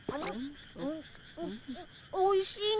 おいしいね